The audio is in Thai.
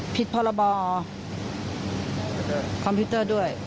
ผิดพรบคอมพิวเตอร์ด้วย